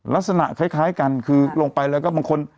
ลักษณะคล้ายกันคือลงไปแล้วก็บางคน